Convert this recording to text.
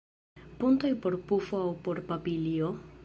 Puntoj por pufo aŭ por papilio?